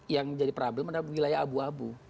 yang jadi problem adalah wilayah abu abu